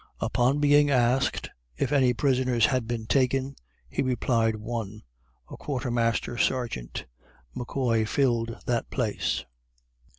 Upon being asked if any prisoners had been taken, he replied one a Quarter Master Sergeant. McCoy filled that place.